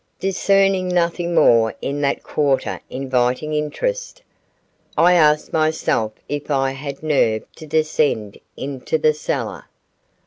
Discerning nothing more in that quarter inviting interest, I asked myself if I had nerve to descend into the cellar.